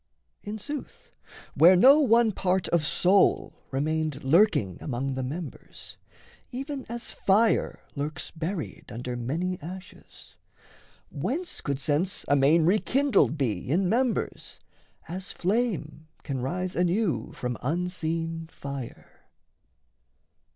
In sooth, where no one part of soul remained Lurking among the members, even as fire Lurks buried under many ashes, whence Could sense amain rekindled be in members, As flame can rise anew from unseen fire?